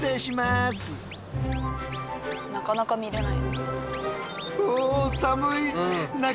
なかなか見れない。